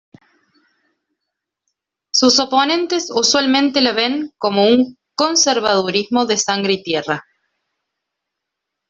Sus oponentes usualmente la ven como un conservadurismo de "sangre y tierra".